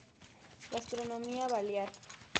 Gastronomía balear